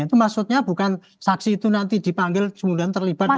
itu maksudnya bukan saksi itu nanti dipanggil kemudian terlibat